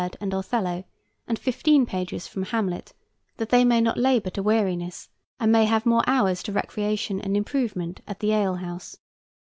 and "Othello," and fifteen pages from "Hamlet," that they may not labor to weariness, and may have more hours to recreation and improvement at the alehouse.